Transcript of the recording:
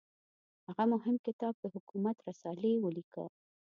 هغه مهم کتاب د حکومت رسالې ولیکه.